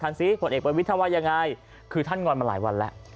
ท่านซีผลเอกบริวิทยาวะยังไงคือท่านงอนมาหลายวันแล้ว